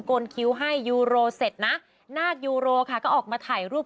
นคิ้วให้ยูโรเสร็จนะนาคยูโรค่ะก็ออกมาถ่ายรูป